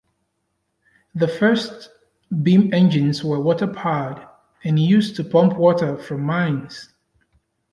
The first beam engines were water-powered, and used to pump water from mines.